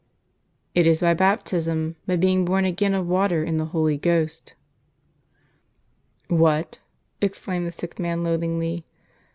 It is by Baptism, by being born again of water and the Holy Ghost." "What?" exclaimed the sick man loathingly.